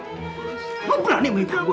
lo berani minta gua